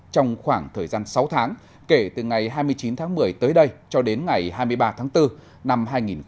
trong khoảng thời gian sáu tháng kể từ ngày hai mươi chín tháng một mươi tới đây cho đến ngày hai mươi ba tháng bốn năm hai nghìn hai mươi